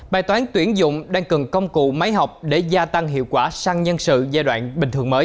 bài toán tuyển dụng đang cần công cụ máy học để gia tăng hiệu quả sang nhân sự giai đoạn bình thường mới